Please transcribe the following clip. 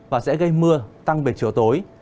và sẽ gây mưa tăng về chiều tối